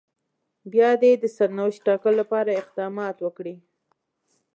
بيا دې د سرنوشت ټاکلو لپاره اقدامات وکړي.